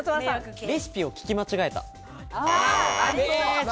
レシピを聞き間違えた。